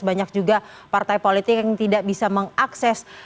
banyak juga partai politik yang tidak bisa mengakses